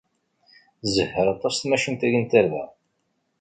Tzehher aṭas tmacint-agi n tarda.